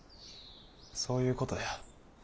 そういうことや。